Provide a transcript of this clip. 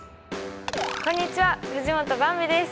こんにちは藤本ばんびです。